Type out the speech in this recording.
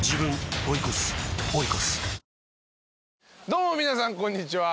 どうも皆さんこんにちは。